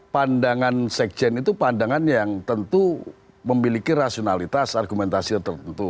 pandangan sekjen itu pandangan yang tentu memiliki rasionalitas argumentasi tertentu